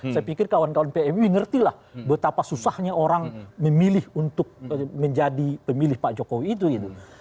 saya pikir kawan kawan pmi ngerti lah betapa susahnya orang memilih untuk menjadi pemilih pak jokowi itu gitu